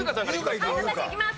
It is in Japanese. はい私いきます。